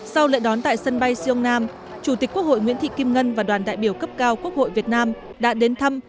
sau lễ đón tại sân bay seoul nam chủ tịch quốc hội nguyễn thị kim ngân và đoàn đại biểu cấp cao quốc hội việt nam đã đến thăm